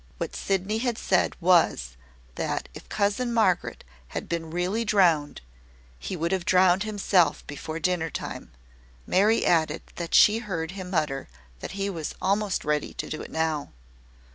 What Sydney had said was, that if cousin Margaret had been really drowned, he would have drowned himself before dinner time. Mary added that she heard him mutter that he was almost ready to do it now.